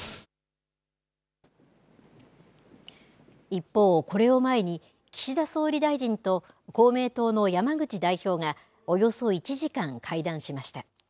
一方、これを前に、岸田総理大臣と公明党の山口代表がおよそ１時間会談しました。